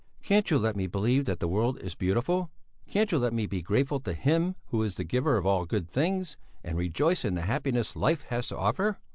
"Can't you let me believe that the world is beautiful? Can't you let me be grateful to Him who is the giver of all good things, and rejoice in the happiness life has to offer?"